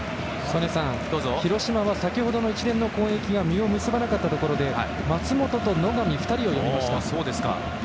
曽根さん、広島は先ほどの一連の攻撃が実を結ばなかったところで松本と野上、２人を呼びました。